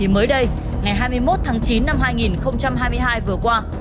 mới đây ngày hai mươi một tháng chín năm hai nghìn hai mươi hai vừa qua